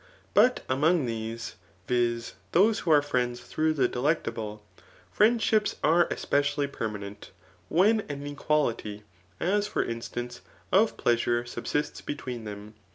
But among these [viz. those who are friends through the delectable] friendships are espe* ciaily permanent, when an equality, as for instance, of pleasure subsists between them.